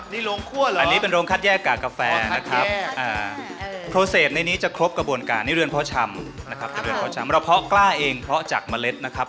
นี่โรงคั่วเหรออันนี้เป็นโรงคัดแยกกากาแฟนะครับโครเซตในนี้จะครบกระบวนการนี่เรือนเพาะชำเราเพาะกล้าเองเพาะจากเมล็ดนะครับ